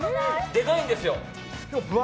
でかいんですよ。